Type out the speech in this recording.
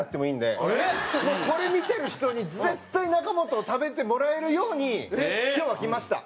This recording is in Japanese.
これ見てる人に絶対中本を食べてもらえるように今日は来ました。